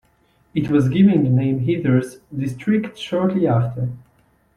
It was given the name Hathras District shortly after.